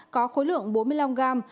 có khối lượng bốn mươi năm gram